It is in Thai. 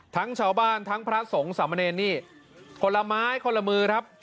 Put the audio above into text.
ทั้งชาวบ้านทั้งพระสงฆ์สามเนรนี่คนละไม้คนละมือครับ